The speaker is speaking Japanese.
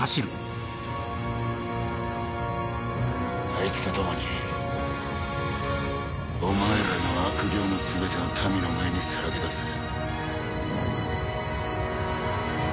あいつと共にお前らの悪行の全てを民の前にさらけ出せ。